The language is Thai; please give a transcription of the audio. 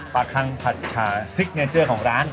ปลากรางผัดชาเซ็กเจอร์ของร้าน